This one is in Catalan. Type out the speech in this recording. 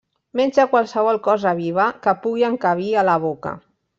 Menja qualsevol cosa viva que pugui encabir a la boca.